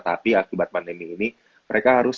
tapi akibat pandemi ini mereka harus